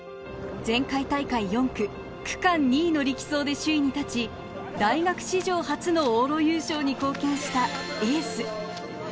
前回大会４区、区間２位の力走で首位に立ち、大学史上初の往路優勝に貢献したエース。